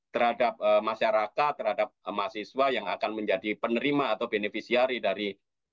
terhadap masyarakat terhadap mahasiswa yang akan menjadi penerima atau beneficiary dari